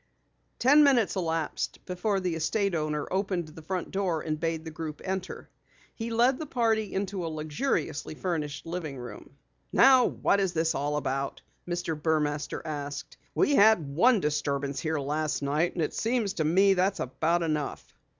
Ten minutes elapsed before the estate owner opened the front door and bade the group enter. He led the party into a luxuriously furnished living room. "Now what is all this?" Mr. Burmaster asked. "We had one disturbance here last night and it seems to me that's about enough."